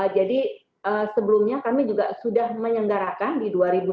jadi sebelumnya kami juga sudah menyenggarakan di dua ribu sembilan belas